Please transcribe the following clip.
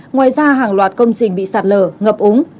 ngoài ra hàng loạt công trình bị sạt lở ngập úng